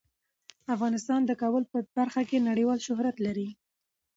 افغانستان د کابل په برخه کې نړیوال شهرت لري.